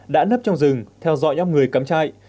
đã nấp trong rừng theo dõi nhóm người cắm chạy